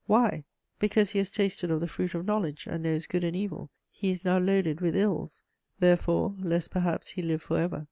Why? Because he has tasted of the fruit of knowledge, and knows good and evil, he is now loaded with ills: "therefore, lest perhaps he live for ever."